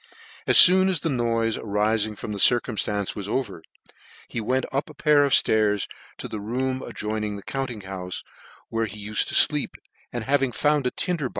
As foon as the noife arising from this circuin flance was over, he went up one pair of ftairs to a room adjoining the cbmpting houfe, where he. ufed to fleep, and having found a tindor.